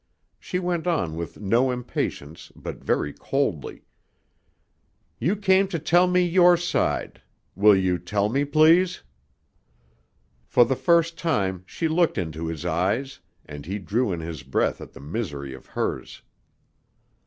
She went on with no impatience but very coldly. "You came to tell me your side. Will you tell me, please?" For the first time she looked into his eyes and he drew in his breath at the misery of hers.